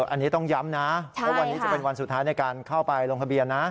อันนี้ต้องย้ำนะว่าวันนี้จะเป็นวันสุดท้ายในการเข้าไปลงทะเบียนนะ